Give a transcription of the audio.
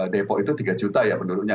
depok itu tiga juta ya penduduknya